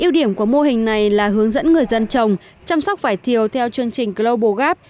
yêu điểm của mô hình này là hướng dẫn người dân trồng chăm sóc vải thiều theo chương trình global gap